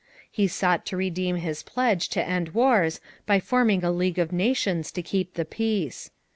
He sought to redeem his pledge to end wars by forming a League of Nations to keep the peace.